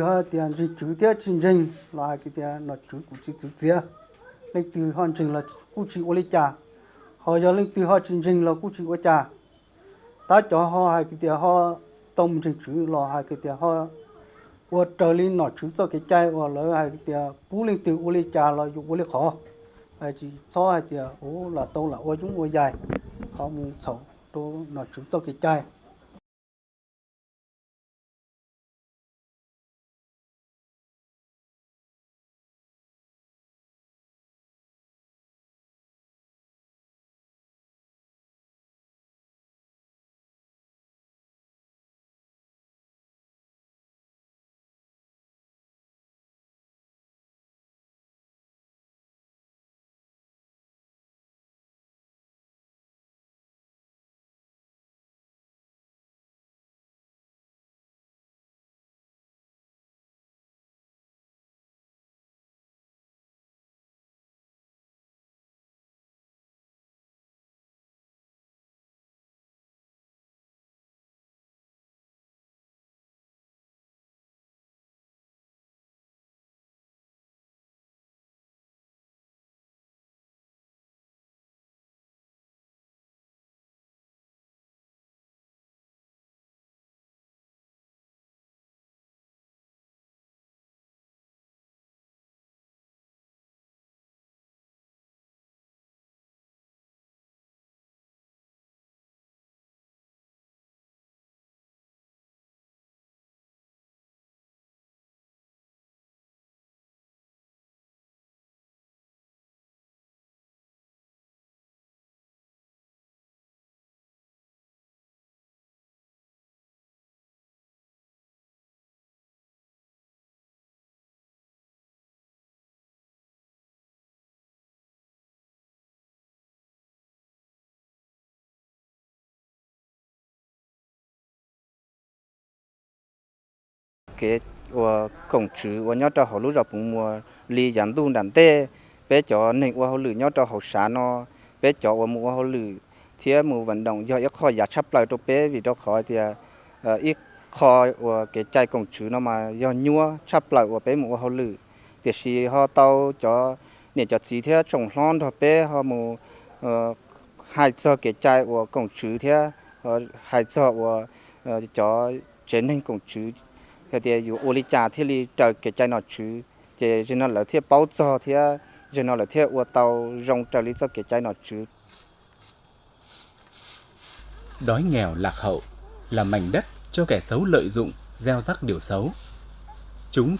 không chỉ đi từng ngõ gõ từng nhà ra từng đối tượng các cán bộ của bà con phân biệt rõ giữa từng đối tượng các cán bộ của bà con phân biệt rõ giữa từng đối tượng các cán bộ của bà con phân biệt rõ giữa từng đối tượng các cán bộ của bà con phân biệt rõ giữa từng đối tượng các cán bộ của bà con phân biệt rõ giữa từng đối tượng các cán bộ của bà con phân biệt rõ giữa từng đối tượng các cán bộ của bà con phân biệt rõ giữa từng đối tượng các cán bộ của bà con phân biệt rõ giữa từng đối tượng các cán bộ của b